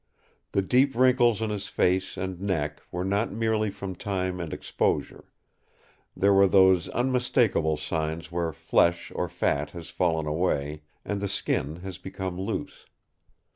The deep wrinkles in his face and neck were not merely from time and exposure; there were those unmistakable signs where flesh or fat has fallen away, and the skin has become loose.